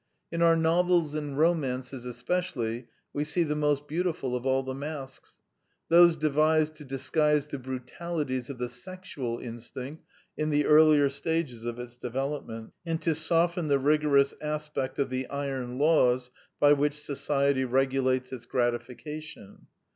In our novels and romances especially we see the most beautiful of all the masks: those devised to disguise the brutalities of the sexual instinct in the earlier stages of its development, and to soften the rigorous aspect of the iron laws by which Society regulates its gratification.